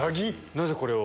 なぜこれを？